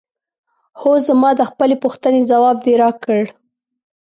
هو زما د خپلې پوښتنې ځواب دې راکړ؟